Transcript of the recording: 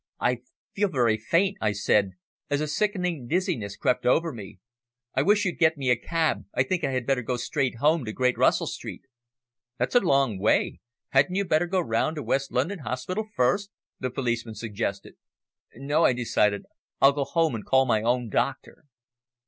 "I feel very faint," I said, as a sickening dizziness crept over me. "I wish you'd get me a cab. I think I had better go straight home to Great Russell Street." "That's a long way. Hadn't you better go round to the West London Hospital first?" the policeman suggested. "No," I decided. "I'll go home and call my own doctor."